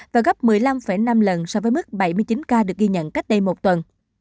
và gấp một mươi năm năm lần so với mức bảy mươi chín ca được ghi nhận cách đây một tuần